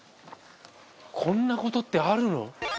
こんなことってあるの？